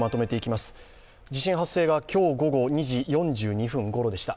地震発生が今日午後２時４２分ごろでした。